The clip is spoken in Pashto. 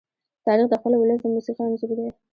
تاریخ د خپل ولس د موسیقي انځور دی.